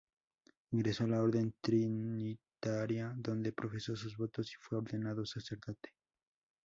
Ingresó a la Orden Trinitaria, donde profesó sus votos y fue ordenado sacerdote.